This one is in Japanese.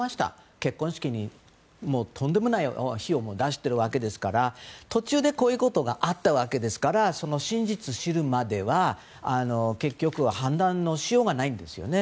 結婚式にも、とんでもない費用も出しているわけですから途中で、こういうことがあったわけですからその真実を知るまでは結局は判断のしようがないんですよね。